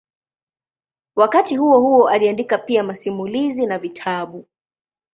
Wakati huohuo aliandika pia masimulizi na vitabu.